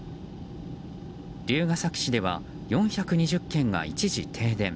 龍ケ崎市では４２０軒が一時停電。